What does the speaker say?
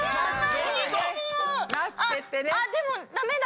ああでもダメだ。